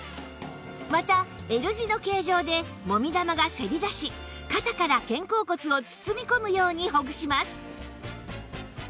また Ｌ 字の形状でもみ玉がせり出し肩から肩甲骨を包み込むようにほぐします